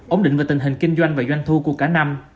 ổn định về tình hình kinh doanh và doanh thu của cả năm